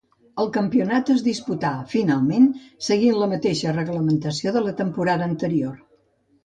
El campionat es disputà finalment seguint la mateixa reglamentació de la temporada anterior.